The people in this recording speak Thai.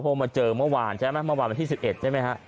เพราะมาเจอเมื่อวานใช่ไหมเมื่อวานวันที่๑๑ใช่ไหมฮะ